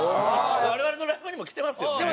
我々のライブにも来てますよね。